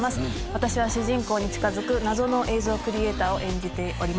私は主人公に近づく謎の映像クリエーターを演じております。